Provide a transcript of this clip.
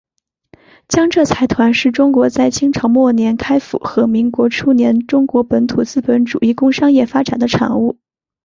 江浙财团是中国在清朝末年开阜和民国初年中国本土资本主义工商业发展的产物。